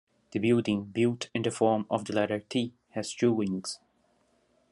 The building, built in the form of the letter 'T', has two wings.